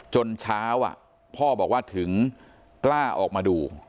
จนเช้าพ่อบอกว่าถึงกล้าออกมาดู